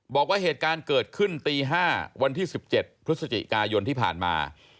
บอกว่าเหตุการณ์เกิดขึ้นตี๕วันที่๑๗พฤศจิกายนที่ผ่านมา